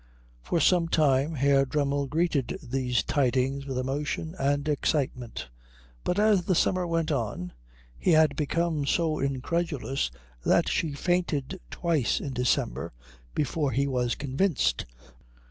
For some time Herr Dremmel greeted these tidings with emotion and excitement; but as the summer went on, he had become so incredulous that she fainted twice in December before he was convinced.